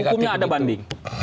proses hukumnya ada banding